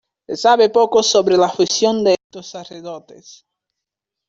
Se sabe poco sobre la función de estos sacerdotes.